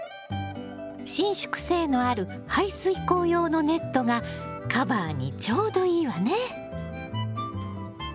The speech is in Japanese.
伸縮性のある排水口用のネットがカバーにちょうどいいわね。